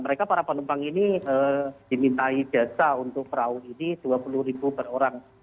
mereka para penumpang ini dimintai jasa untuk perahu ini dua puluh ribu per orang